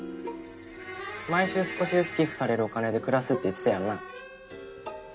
毎週少しずつ寄付されるお金で暮らすって言ってたよな？